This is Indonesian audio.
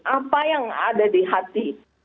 apa yang ada di hati